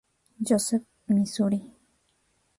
Joseph, Misuri.